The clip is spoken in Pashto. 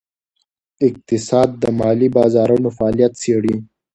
اقتصاد د مالي بازارونو فعالیت څیړي.